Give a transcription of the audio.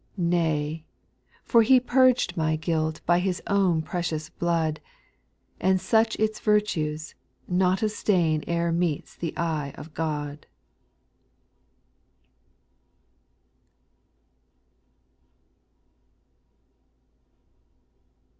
7. Nay I for He purged my guilt By His own precious blood, And such its virtue, not a stain E'er meets the eye of God.